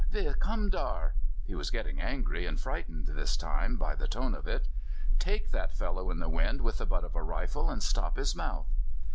"Wis kom dar?" He was getting angry and frightened this time, by the tone of it. "Take that fellow in the wind with the butt of a rifle, and stop his mouth."